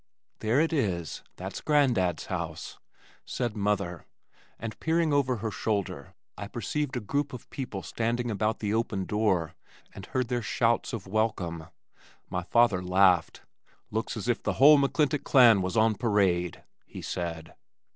"There it is. That's Grandad's house," said mother, and peering over her shoulder I perceived a group of people standing about the open door, and heard their shouts of welcome. My father laughed. "Looks as if the whole McClintock clan was on parade," he said.